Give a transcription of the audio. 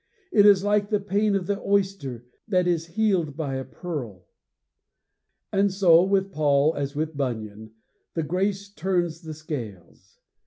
It is like the pain of the oyster that is healed by a pearl. And so, with Paul as with Bunyan, the grace turns the scales.